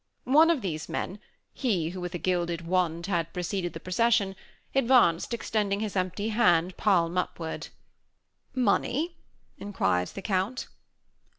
One of these men he who with a gilded wand had preceded the procession advanced, extending his empty hand, palm upward. "Money?" inquired the Count.